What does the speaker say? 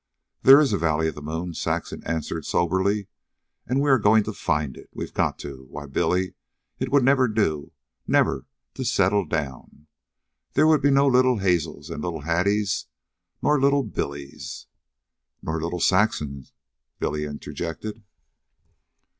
"There is a valley of the moon," Saxon answered soberly. "And we are going to find it. We've got to. Why Billy, it would never do, never to settle down. There would be no little Hazels and little Hatties, nor little... Billies " "Nor little Saxons," Billy interjected.